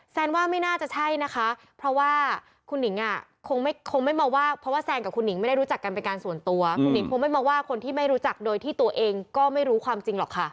แซนว่าไม่น่าจะใช่นะคะเพราะว่าคุณหนิงอ่ะคงไม่คงไม่มาว่าเพราะว่าแซนกับคุณหิงไม่ได้รู้จักกันเป็นการส่วนตัวคุณหิงคงไม่มาว่าคนที่ไม่รู้จักโดยที่ตัวเองก็ไม่รู้ความจริงหรอกค่ะ